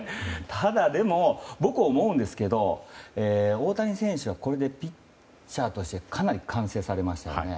ただ僕、思うんですけど大谷選手はこれでピッチャーとしてかなり完成されましたよね。